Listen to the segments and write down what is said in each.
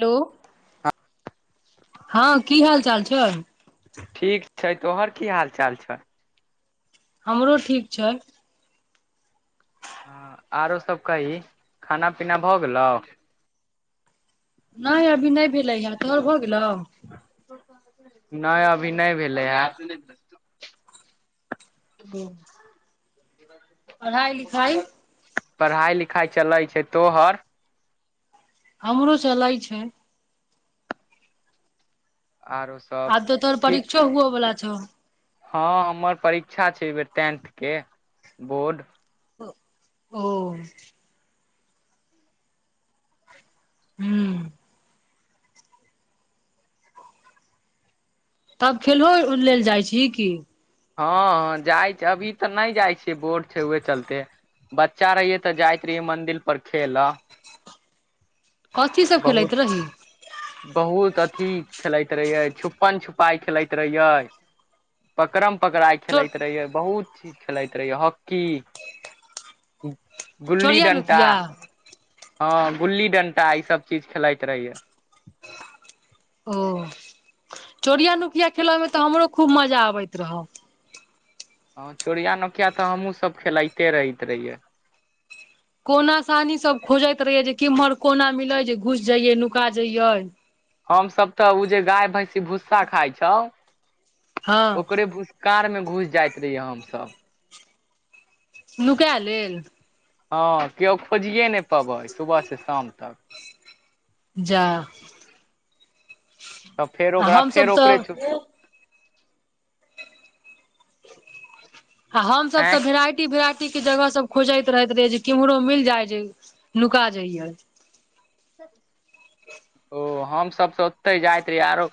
Hello हँ की हाल चाल छै। ठीक छै, तोहर की हाल चाल छय। हमरो ठीक छै। हँ आरो सब कही, खाना पीना भऽ गेलौ। नहि अभी नहि भेलै हा, तोहर भऽ गेलौ। नहि अभी नहि भेलै हे। ट फ [unintelligible] [unintelligible] पढ़ाइ लिखाइ पढ़ाइ लिखाइ चलै छै तोहर। हमरो चलय छै। आरो सब आब तो तोहर ठीक परीक्षो छै हुअ बला छौ। हँ हमर परीक्षा छै, एहिबेर टेंथके बोर्ड। ओ हूं तब खेलहो लेल जाइ छी की। हँऽ जाइ छै, अभी तऽ नहि जाइ छिय, बोर्ड छै उहे चलते। बच्चा रहियै, तऽ जाइत रहियै, मंदिर पर खेलऽ। कथी सभ खेलैत बहुत रही। बहुत अथी खेलैत रहियै, छुपन छुपाई खेलैत रहियै। पकम पकड़ाय चो खेलैत रहिय, बहुत चीज खेलैत रहिय, हॉकी गुल्ली चोरिया डंटा, नुकिया हँ गुल्ली डंटा, ई सब चीज खेलाइत रहिये। ओ, चोरिया नुकिया खेलय मे तऽ हमरो खूब मजा आबैत रहौ। हं चोरिया नोकिया तऽ, हमहूँ सब खेलइते रहैत रहियै। कोना सानी सब खोजैत रहियै, जे केम्हर कोना मिले, जे घुस जइये, नुका जइये। हम सब तऽ ओ जे गाय भैंसी भूस्सा खााय छौ हँ ओकरे भूस्स कार में घुस जाइत रहियै हम सब नुकै लेल। हँ, केओ खोजिए नहि पबै, सुबह से शाम तक। जा [inaudible] तऽ फेर आ ओकरा, हमसभ फेर ओकरे तऽ छौ। आ हमस आँय तऽ भेराइटी, भेराट- के जगह सब खोजैत रहैत रैह, जे केम्हरो मिल जाय जे नुका जाइयैऽ। ओ, हम सब त ओतय जाइत रहियैऽ, आरो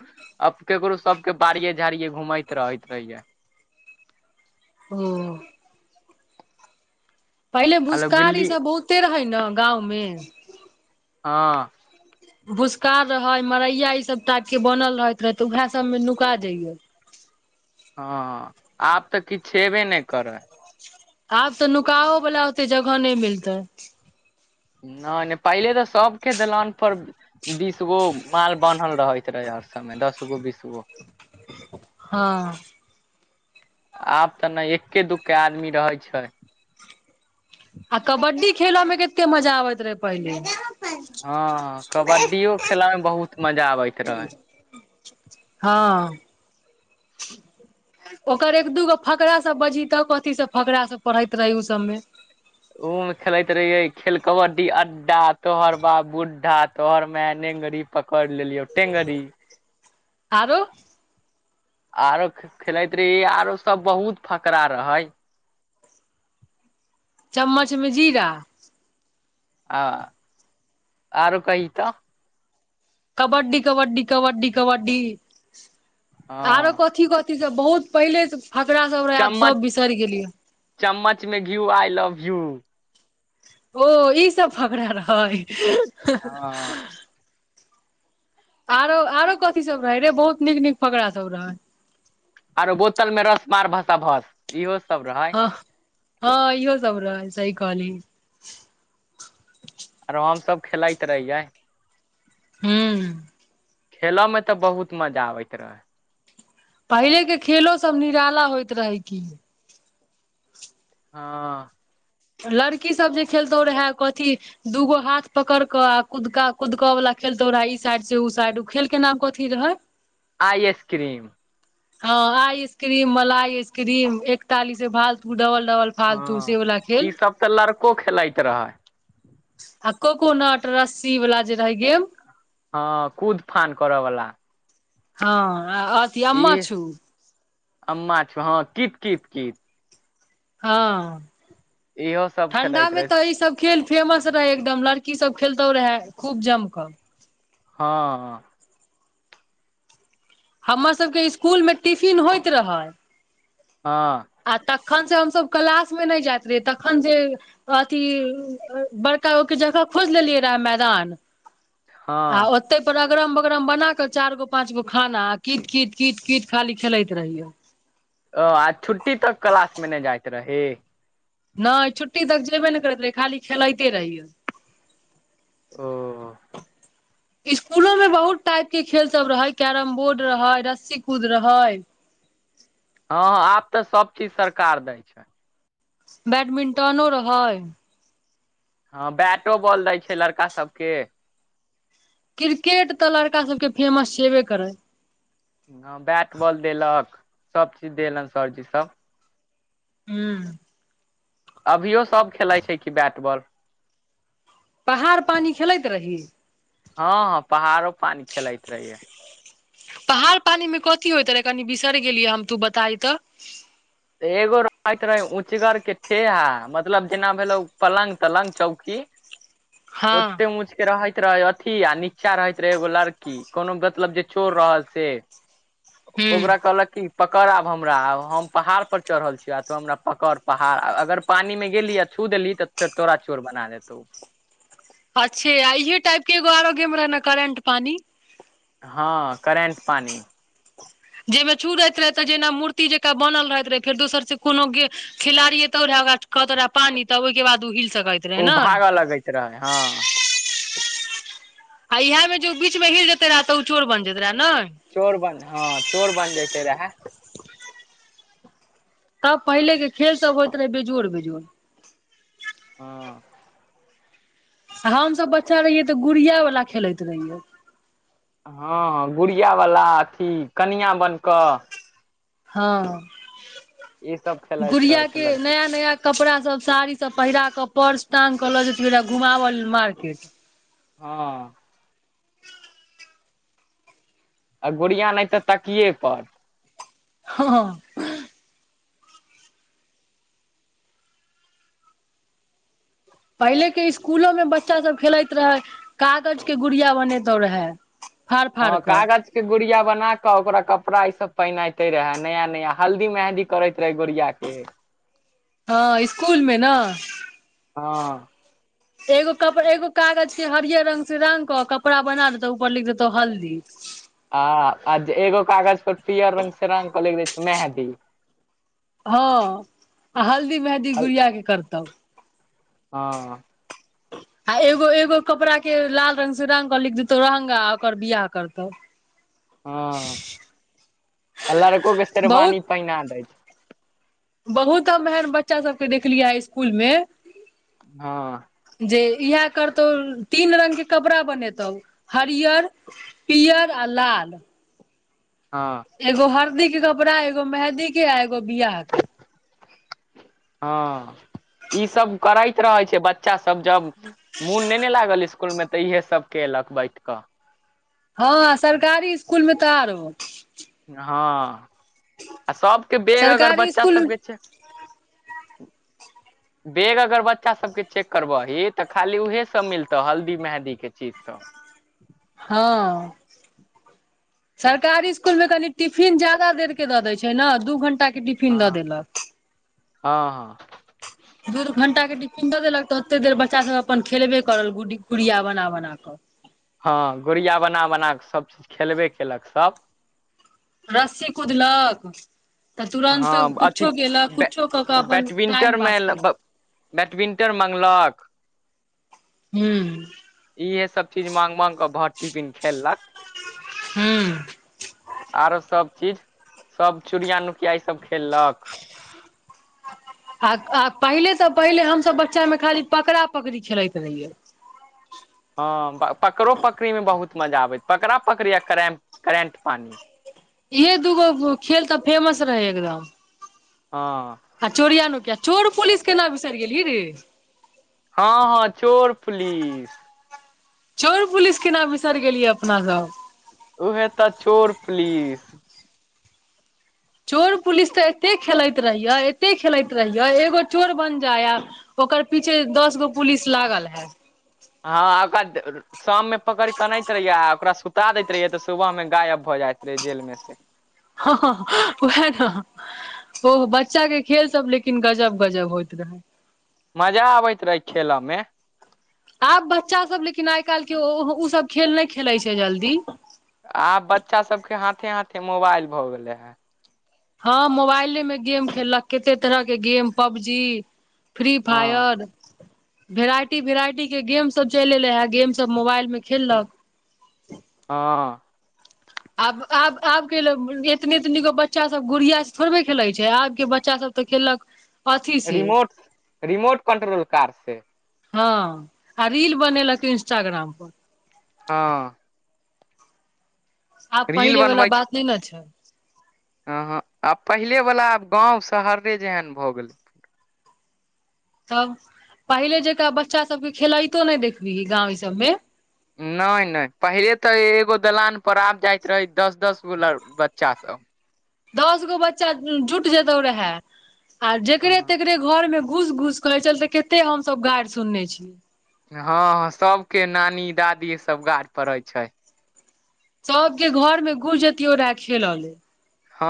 अब केकरो सब के बारिये -झाड़िये घूमैत रहैत रहियैऽ। ओ पहिले आलो भूसखार ई गिल्ली सब बहुत्ते रहै ने गाममे हँ भूसकारार् रहै, मरैया ई सब टाइप के बनल रहैत रहे तऽ उहैए सब मे नुका जाइयैऽ हँ, आब तऽ किछ छेबे नय करय। आब तऽ नुकाहो वला ओत्ते जगह नय मिलतै। नय - नय पहिले तऽ सबके दलान पर बीसगो, माल बान्हल रहैत रहय हर समय, दस गो, बीसगो हँ- आब तऽ नय एक्के, दुू्के आदमी रहैय छै। आ कबड्डी खेलऽ में कत्ते मजा आबैत रहय पहिले। हँ कबड्डियो खेल्ला में बहुत मजा आबय। [unintelligible] हँ। ओकर एक -दूगो फकरा सब बझी त, कथी सब फकरा सब पढ़ैत रहय उ सब मे ओ मे खेलैत रहियै, खेल कबड्डी अड्डा तोहर बाप बू्ढ्ढा, तोहर मैएऽनेंगरी पकड़ि लेलियऔ टेंगरी आरो? आरो खे -खेलैत रहियै, आरो सब बहुत फकरा रहय। चम्मच मे जीरा ह, आरो कहि तऽ कबड्डी-कबड्डी- कबड्डी -कबड्डी, आरो हँ कथी क - इ सब बहुत पहिले से फकराा सब रहै, आब चम्मच सब बिसरि गेलियैऽ। चम्मच मे घ्यू आइ लव यू- ओ ईसब फकड़ा रहैऽ। हँ आरो, आरो कथी सब रहै रे? बहुत नीक -नीक फकड़ा सब रहै। आरो बोतल में रस, मार भसा भस इहो सब रहै। ह, हँ इहो सब रहैऽसही कहली। आरो हमसभ खेलैइत रहियैऽ। हूं- खेलऽमें तऽ बहुत मजा आबैत रहैऽ। पहिले के खेलो सब निराला होइत रहैऽ की? हँ - लड़की सब जे खेलतौ रहै, कथी? दूगो हाथ पकड़क आ कुदका कुदकवला खेल तोरा ई साइड से उ साइड, उ खेल के नाम कथी रहय? [inaudible] आ एस्स क्रीम। हँ आइ स्क्रीम, मलाईस्क्रीम एकतालीसबे फालतू, डबल डबल फालतू सेऽवला इ सब ते लड़को खेलाइत रहय। आ कोकोनट रस्सी वला जे रहै गेम हँ, कूदफान करऽ वला। हँ, आ अस जहाँ, अम्मा छऽ हँ, कित-कित-कित हँ इहो सब ठण्डा खेलैत में रहे तऽ ई सब खेल फेमस रहै एकदम, लड़की सब खेलतो रहैऽ खूब जम कऽ। हँ-हँ। हमर सबके इसकुल में टिफिन होइत रऽहै। हँ। आ तखन स हमसब कलास मे नैय जाइत रहियै तखन जे अथी बड़का गोके जगह खोइज लेलियै रहा मैदान आ हँ ओत तै पर अगरम बगरम बना क चार गो पांच गो खाना, आ कीत-कीत-कीत-कीत खाली खेलैत रहियो। ओ आ छुट्टी तक कलास मे नैय जाइत रहीं? नैय छुट्टी तक जेबे नै करैत रहै, खाली खेलैते रहियै। ओ। [inaudible] इसकूलो में बहुत टाइप के खेल सब रहै, कैरम बोर्ड रहै, रस्सी कूद रहै। हँ आब तऽ सब चीज सरकार दै छै। बैडमिंटनो रहै। हँ बैटो बॉल दै छै लड़का सबके। किरकेट तऽ लड़का सबके फेमस छेबे करै। गाम बैट बॉल देलक, सब चीज देलन सरजी सब। हूम्म। अभियो सब खेलाइ छै कि बैट बॉल? पहाड़ पानी खेलैत रही? हाॅं, पहाड़ो पानी खेलाइत रहिये। पहाड़ पानी में कथी होइत रहै? कनि बिसरि गेलियै हम, तू बताई तऽ? एगो रहैत रहे उचगर के ठेहा, मतलब जेना भेलौ पलंग-तलंग चौकी हँ ओते मुच रहैत रहै अथी आ नीचा रहैत रहै एगो लड़की, कोनो बतलब जे चोर रहल से। हूँ ओकरा कहलक कि पकड़ आब हमरा, आ हम पहाड़ पर चड़हल छियऽ, त हमरा पकड़ पहाड़ अ-अगर पानी में गेली आ छू देली त फेर तोरा चोर बना देतौ। आच्छे, इहे टाइप के एगो आरो गेम रहै न करेंट पानी? हँ, करेंट पानि। जैमे छु दैत रहै तऽ जेना मूर्ति जेकाँ बनल रहैत रहै, फेर दोसर से कोनो गे खिलाड़ी एतौ रहैऽ, ओकरा कहतो रहैऽ पानी, तब ओई के बाद ओ हिल सकैत। रहे ओ ने भागऽ लगैत रहै, हँ। आ इहैऽ में जे ओ बीच में हिल जेतै रहैऽ तऽ ऊ चोर बन जेत रहैऽ, नैय? चोर बन, हँ चोर बन जैइते रहैऽ। आब पहिलेके खेल सब होइत रहै बेजोड़-बेजोड़। हँ। हमसब बच्चा रहियै तऽ गुड़िया वला खेलैत रहियै। हँ गुड़िया बला अथी कनिआ बन कऽ हँ ई सब खेलाइत रहे गुड़िया छै के लड़की नया नया कपड़ा सब साड़ी सब पहिरा क पर्स टाँंग क लऽ जेतियै रहै घुमाव लेल मार्केट। हँ [inaudible] आ गुड़िया नै तऽ तकिये पर। हँ हँ पहिले के इस्कूलो में बच्चा सब खेलैत रहै कागज के गुड़िया बनेैतो रहै। हँ कागज के गुड़िया बना क ओकरा कपड़ा ई सब पहिनइते रहै नया नया हल्दी मेंहदी करैत रहै गुड़िया के। हँ इस्कुल मे न हँ एगो कपड एगो कागज के हरियर रंग से रांग क कपड़ा बना देतौ ऊपर लिख देतौ हल्दी। आ आ एगो कागज पर पियर रंग से रांग क लिख दै छै मेंहदी। हँ आ हल्दी मेहदी गुड़ियाके करतौ। हँ [inaudible] आ एगो एगो कपड़ा के लाल रंग से रंग क लिख देतौ रहंगा ओकर बियाह करतौ। हँ आ लड़को के शेरवानी बहुत पहिना दै छै। बहुत हम एहन बच्चा सबके देखलियै इसकुल मे हँ जे इहै करतौ तीन रंग के कपड़ा बनेतौ हरियर पीयर आ लाल हँ एगो हरदी के कपड़ा एगो मेहदी के आ एगो बियाह के हँ ई सब करैत रहै छै बच्चा सब जब मोन नै ने लागल स्कूल में तऽ इहे सब केलक बैठ कऽ। हँ सरकारी इस्कुलमे तऽ आरो। हँ आ सबके बेग अगर सरकारी बच्चा स्कूल सबके चे [inaudible] [inaudible] बेग अगर बच्चा सब के चेक करबही त खाली उहे सब मिलतौ हल्दी मेहदी के चीज सब। हॅं सरकारी स्कुल मे कनि टिफिन ज्यादा देर के दऽ दै छै न दू घंटा के टिफि हँ हँ हँ दू दू घंटा के टिफिन दऽ देलक तऽ ओते देर बच्चा सब अपन खेलबे करल गुडी गुड़िया बना बना कऽ। हँ गुड़िया बना बना कऽ सभ खेलबे केलक सब। रस्सी कुदलक तऽ तुरन्त हँ अथी कुछो केलक कुछो कऽ कऽ अपन बैडमिंटन टाइम मे पास केलक। बैडमिंटन मॅंगलक हूं इहे सब चीज मांग मांगकऽ भर टिफिन खेललक। हूं आरो सब चीज सब चोरिया नुकिया ईसभ खेललक। आ आ पहिले त पहिले हमसभ बच्चा मे खाली पकड़ा पकड़ी खेलैत रहियै। हँ पकड़ो पकड़ीमे बहुत मजा आबै, पकड़ा पकड़ै आ करेन्ट -करेन्ट पानि। इहे दूगो खेल तऽ, फेमस रहै एकदम। हँ। आ चोरिया नु किया, चोर पोलिस केना बिसरि गेलही रे। हँ -हँ चोर पुलिस। चोर पुलिस केना बिसरि गेलियै अपना सब। ओहे तऽ चोर पुलिस। चोर पुलिस तऽ एते खेलैत रहिये, एते खेलैत रहिये, एगो चोर बन जाय, आ ओकर पीछे, दस गो पुलिस लागल हैत। हँ, ओकरा शाम में पकड़ कऽ अनैत रहिय, आ ओकरा सु ता दैत रहियै तऽ, सुबह में गायब भऽ जाइत रहै जेल मे से। ह -ह ओहा न। ओ बच्चा के खेल सब, लेकिन गजब- गजब होइत रहै। मजा आबैत रहै खेलऽ मे। आब बच्चा सब, लेकिन आइ -काल्हि के ओ सब खेल नहि खेलैत छै जल्दी! आब बच्चा सभके, हाथे- हाथे मोबाइल भऽ गेले हे। हँ, मोबाइले मे गेम खेललक, कते तरहके गेम पबजी। फ्री- हँ फायर। भेराइटी -वेराइटी के गेम सब चलि एले हे, गेम सब मोबाइल मे खेललक। हँ। आब -आब -आब के ल एतनी -एतनी गो बच्चा सब गुड़िया से थोड़बे खेलैत छै, आब के बच्चा सब तऽ केलक! रिमोट, रिमोट कंट्रोल कार से। हँ, आ रील बनेलक इंस्टाग्राम पर। हँ। आब रील पहिले वाला बनबै छै बात नहि ने छै। हँ -हँ, आ पहिलेवला आब गाँव शहरे जेहन भऽ गेलै। तब, पहिले जेकाँ! बच्चा सब के खेलइतो नहि देखबी गाँंव ई सब में। नहि -नहि, पहिले तऽ एगो दलान पर आब जाइत रहे, दस -दस गो बच्चा सब। दस गो बच्चा जुट जेतो रहे, आ जकरे- हँ तकरे घर में घूस- घूस अहि छलते, कते हमस गारि सुनने छी। हँ- ह, सब के नानी, दादी, सब गड़ पड़े छै। सबके घर मे गुुसजतियो रेह खेलले। हँ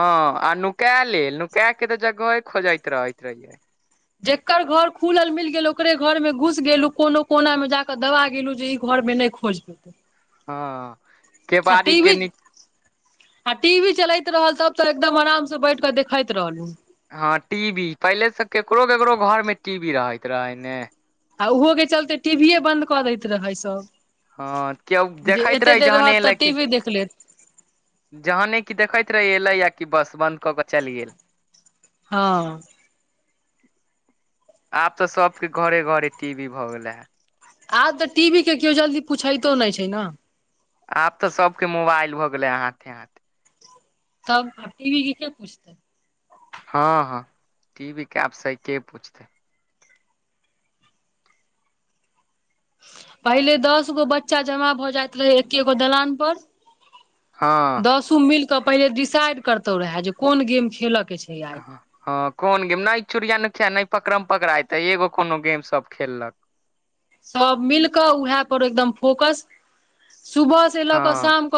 आ नुका लेल, नुका के तऽ जगह खोजैत रहैत रहिये। जेकर घर खुलल मिल गेल, ओकरे घर में घुस गेलु, कोनो कोना में जाके दबा गेलु जे घर मे नहि खोज पेते। हँ, केबाड़ी के निच आ टीवी चलैत रहल त, ओतऽ एकदम आराम से बैठ के देखैत रहलु। हँ, टीवी, पहिले से केकरो -केकरो घर में टीवी रहैत रहे ने। आ ओहो के चलते, टीवीए बंन्द कऽ दैत रहै सभ। हँ, केयो देखाैत रहै, जहने एलए तऽ की। टीवी देख लेत जहने कि देखैत रहहि, एले या कि, बस बंद कऽ के चलि गेल। हँ। आब तऽ, सब के घरे -घरे टीवी भऽ गेले हे। आब तऽ, टीवी के केओ जल्दी पूछैतो नय छै ने। आब तऽ सबके के मोबाइल भऽ गेलै हाथे-हाथे। तब आब टीवी के के पुछतै? हँ-हँ, टीवी के आब सही के पूछतै? पहिले दस गो बच्चा जमा भऽ जाइत रहै एकेगो दलान पर। हँ दसो मिलके पहिले डिसाइड करतौ रहैऽ, जे कोन गेम खेलय के छै आ हँ कोन गेम नाइ चुड़िया नुखिया, नैय पकड़म पकड़ाई, त एगो कोनो गेम सब खेलक। सब मिलकऽ उहै पर एकदम फोकस, सुबह से लऽ कऽ हँ शाम कऽ